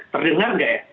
terdengar tidak ya